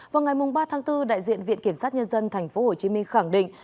vào ngày ba tháng bốn đại diện viện kiểm sát nhân dân tp hcm khẳng định